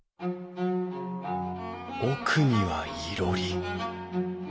奥にはいろり。